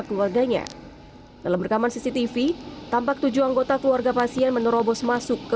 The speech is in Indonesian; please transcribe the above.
keluarganya dalam rekaman cctv tampak tujuh anggota keluarga pasien menerobos masuk ke